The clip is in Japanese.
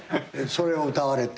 それを歌われて。